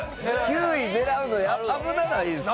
９位狙うの危なないですか？